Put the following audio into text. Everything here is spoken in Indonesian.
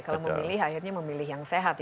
kalau memilih akhirnya memilih yang sehat